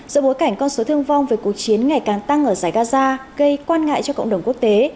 giữa bối cảnh con số thương vong về cuộc chiến ngày càng tăng ở giải gaza gây quan ngại cho cộng đồng quốc tế